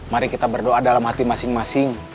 mari kita berdoa dalam hati masing masing